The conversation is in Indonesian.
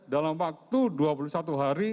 dalam waktu dua puluh satu hari